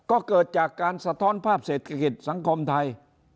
ก็เกิดจากการสะท้อนภาพเศรษฐกิจสังคมไทย